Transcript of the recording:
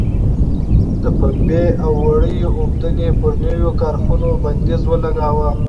د پنبې او وړۍ اوبدنې پر نویو کارخونو بندیز ولګاوه.